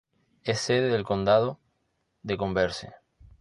Es sede del condado de Converse.